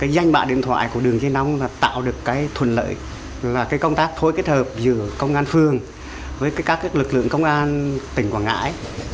danh bạc điện thoại của đường dây nóng tạo được thuần lợi công tác thối kết hợp giữa công an phường với các lực lượng công an tỉnh quảng ngãi